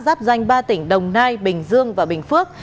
giáp danh ba tỉnh đồng nai bình dương và bình phước